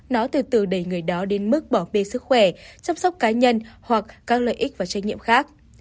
nó từ từ đẩy người đó đến mức bảo vệ sức khỏe chăm sóc cá nhân hoặc các lợi ích và trách nhiệm khác